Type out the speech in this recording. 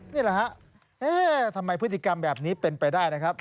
นี่แหละฮะเอ๊ะทำไมพฤติกรรมแบบนี้เป็นไปได้นะครับ